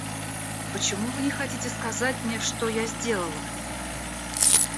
Почему вы не хотите сказать мне, что я сделала?